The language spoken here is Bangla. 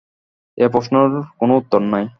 এ প্রশ্নের কোন উত্তর নাই।